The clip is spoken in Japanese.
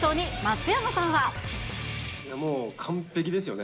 もう完璧ですよね。